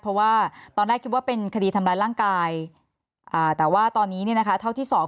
เพราะว่าตอนแรกคิดว่าเป็นคดีทำร้ายร่างกายอ่าแต่ว่าตอนนี้เนี่ยนะคะเท่าที่สอบ